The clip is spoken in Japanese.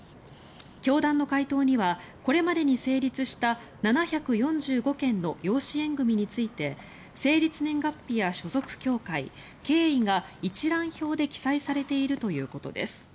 教団の回答にはこれまでに成立した７４５件の養子縁組について成立年月日や所属教会、経緯が一覧表で記載されているということです。